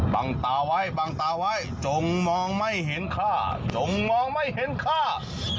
ตาไว้บังตาไว้จงมองไม่เห็นค่าจงมองไม่เห็นค่า